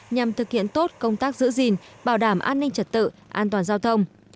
nhằm thực hiện tốt công tác giữ gìn bảo đảm an ninh trật tự an toàn giao thông